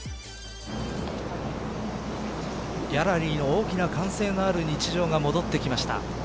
ギャラリーの大きな歓声のある日常が戻ってきました